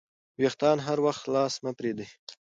وېښتان هر وخت خلاص مه پریږدئ.